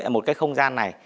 một cái không gian này